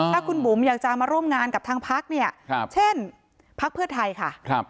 ถ้าคุณบุ๋มอยากจะมาร่วมงานกับทางพักเนี่ยเช่นพักเพื่อไทยค่ะ